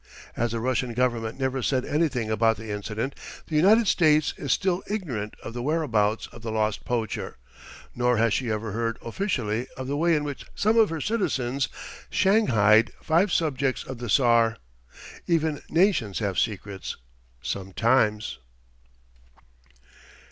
As the Russian government never said anything about the incident, the United States is still ignorant of the whereabouts of the lost poacher, nor has she ever heard, officially, of the way in which some of her citizens "shanghaied" five subjects of the tsar. Even nations have secrets sometimes.